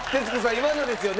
今のですよね？